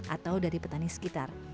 atau dari petani sekitar